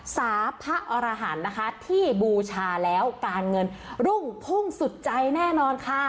สาพระอรหันต์นะคะที่บูชาแล้วการเงินรุ่งพุ่งสุดใจแน่นอนค่ะ